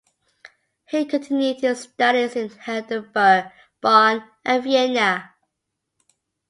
He continued his studies in Heidelberg, Bonn, and Vienna.